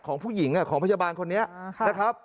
ของผู้หญิงของพยาบาลคนนี้นะครับ